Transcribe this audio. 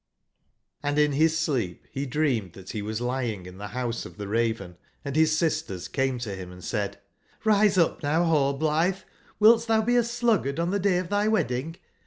^ ,S]SO in bis sleep be dreamed that be was lying J^tf in tbe Rouse of tbe Raven, and bis sisters ^SIh came to bim and said: ''Rise up now, Rall blitbe! wilt tbou be a sluggard on tbe day of tby wedding?